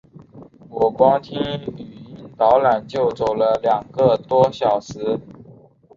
我光听语音导览就走了两个多小时